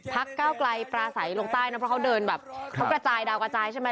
ก้าวไกลปราศัยลงใต้นะเพราะเขาเดินแบบเขากระจายดาวกระจายใช่ไหม